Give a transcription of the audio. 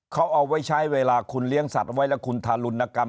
เขาเอาไว้ใช้เวลาคุณเลี้ยงสัตว์ไว้แล้วคุณทารุณกรรม